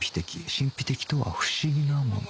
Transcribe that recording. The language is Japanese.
神秘的とは不思議なもの